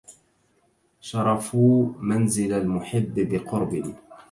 شرفوا منزل المحب بقرب